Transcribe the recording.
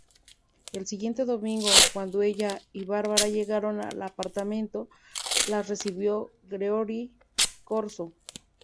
El siguiente domingo, cuando ella y Barbara llegaron al apartamento, las recibió Gregory Corso.